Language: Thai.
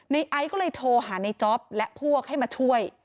ไอซ์ก็เลยโทรหาในจ๊อปและพวกให้มาช่วย